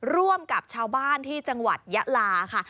ร่วมกับชาวบ้านที่จังหวัดยะลาค่ะ